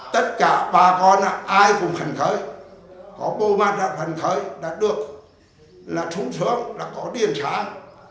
tất cả bà con ai cũng hành khởi có bộ mặt hành khởi đã được là trúng xuống là có điện khác